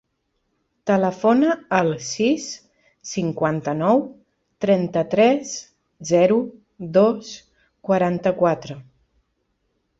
Telefona al sis, cinquanta-nou, trenta-tres, zero, dos, quaranta-quatre.